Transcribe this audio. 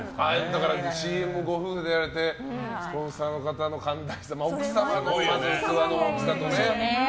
ＣＭ、ご夫婦でやられてスポンサーの方の寛大さ奥様の器の大きさね。